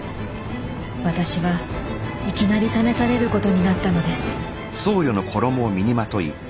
私はいきなり試されることになったのです。